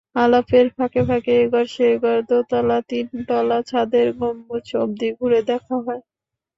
আলাপের ফাঁকে ফাঁকে এঘর, সেঘর, দোতলা, তিনতলা, ছাদের গম্বুজ অবধি ঘুরে দেখা হয়।